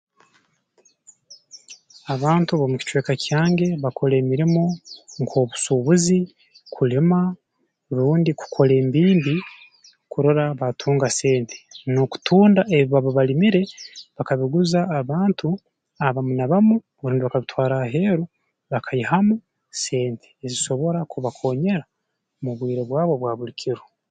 Abantu b'omu kicweka kyange bakora emirimo nk'obusuubuzi kulima rundi kukora embimbi kurora baatunga sente n'okutunda ebi baba balimire bakabiguza abantu abamu na bamu rundi bakabitwara aheeru bakaihamu sente ezisobora kubakoonyera mu bwire bwabo obwa buli kiro